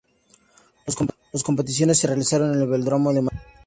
Las competiciones se realizaron en el Velódromo de Manchester.